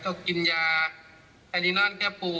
เขากินยาแอลีนอนแค่ปวด